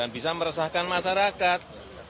bisa meresahkan masyarakat